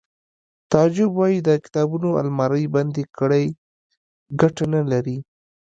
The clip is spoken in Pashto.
تعجب وایی د کتابونو المارۍ بندې کړئ ګټه نلري